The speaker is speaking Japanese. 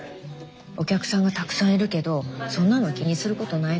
お客さんがたくさんいるけどそんなの気にすることないの。